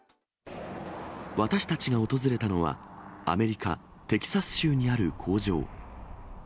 私たちが訪れたのは、アメリカ・テキサス州にある工場。